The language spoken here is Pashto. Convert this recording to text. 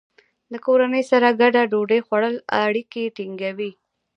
د کورنۍ سره ګډه ډوډۍ خوړل اړیکې ټینګوي.